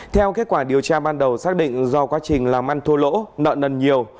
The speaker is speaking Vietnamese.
theo kết quả điều tra ban đầu xác định do quá trình làm ăn thua lỗ nợ nần nhiều